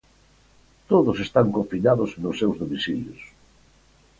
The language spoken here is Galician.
Todos están confinados nos seus domicilios.